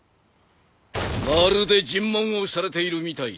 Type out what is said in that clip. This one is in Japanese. まるで尋問をされているみたいだな。